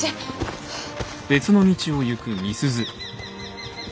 はあ。